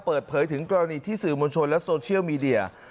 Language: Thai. เปิดเผยถึงกรณีที่สื่อมวลชนและโซเชียลมีเดีย